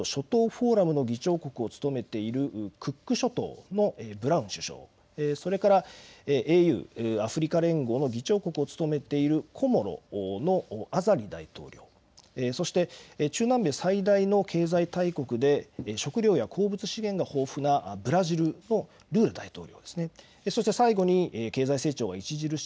そして南太平洋の国で太平洋諸島フォーラムの議長国を務めているクック諸島のブラウン首相、それからＡＵ・アフリカ連合の議長国を務めているコモロのアザリ大統領、そして中南米最大の経済大国で食料や鉱物資源が豊富なブラジルのルーラ大統領ですね。